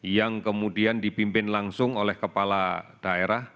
yang kemudian dipimpin langsung oleh kepala daerah